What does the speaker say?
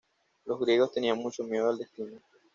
Los griegos tenían mucho miedo al destino.